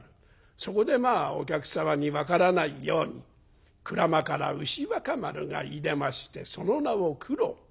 そこでまあお客様に分からないように『鞍馬から牛若丸がいでましてその名を九郎』。